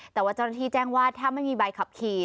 แต่ว่าเจ้าหน้าที่แจ้งว่าถ้าไม่มีใบขับขี่